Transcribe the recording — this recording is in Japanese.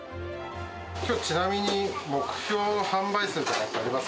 きょう、ちなみに目標販売数とかってあります？